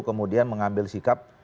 kemudian mengambil sikap